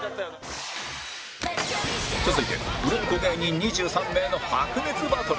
続いて売れっ子芸人２３名の白熱バトル！